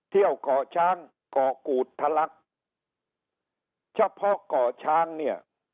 เที่ยวก่อช้างก่อกูดทะลักเฉพาะก่อช้างเนี่ย